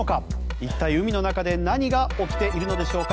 一体、海の中で何が起きているのでしょうか